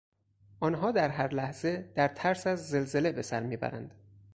آنها در هر لحظه در ترس از زلزله به سر میبرند.